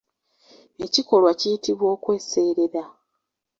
Ekikolwa kiyitibwa okweserera.